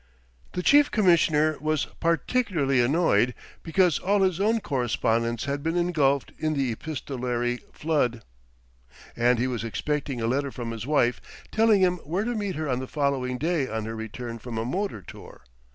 The Chief Commissioner was particularly annoyed because all his own correspondence had been engulphed in the epistolary flood, and he was expecting a letter from his wife telling him where to meet her on the following day on her return from a motor tour.